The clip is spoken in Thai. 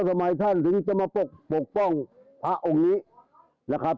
ทำไมท่านถึงจะมาปกปกป้องพระองค์นี้นะครับ